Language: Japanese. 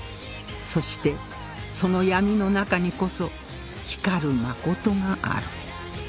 そしてその闇の中にこそ光る真がある